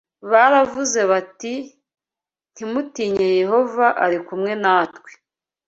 Baravuze bati ntimutinye Yehova ari kumwe natwe